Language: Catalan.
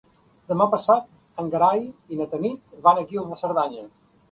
Demà passat en Gerai i na Tanit van a Guils de Cerdanya.